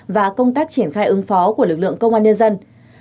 và công tác triển khai ứng phó của lực lượng công an nhân dân